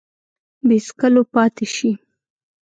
بې څکلو پاته شي